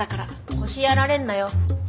腰やられんなよ。